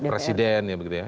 presiden ya begitu ya